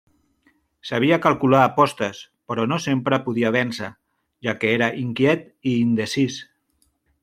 Sabia calcular apostes, però no sempre podia vèncer, ja que era inquiet i indecís.